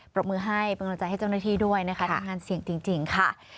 รบมือให้เป็นกำลังใจให้เจ้าหน้าที่ด้วยนะคะทำงานเสี่ยงจริงค่ะ